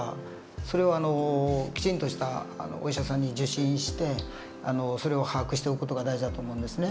それをきちんとしたお医者さんに受診してそれを把握しておく事が大事だと思うんですね。